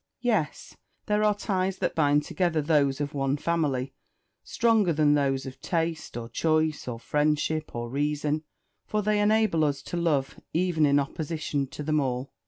Yes! there are ties that bind together those of one family, stronger than those of taste, or choice, or friendship, or reason; for they enable us to love, even in opposition to them all.